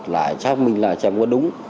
lại chắc mình là xem có đúng